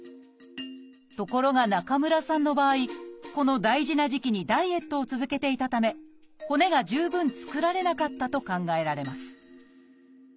ところが中村さんの場合この大事な時期にダイエットを続けていたため骨が十分作られなかったと考えられます